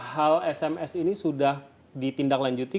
hal sms ini sudah ditindaklanjuti